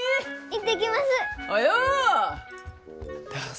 行ってきます。